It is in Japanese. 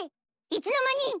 ⁉いつの間に⁉